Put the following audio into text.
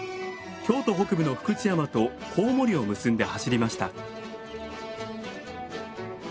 京都北部の福知山と河守を結んで走りました。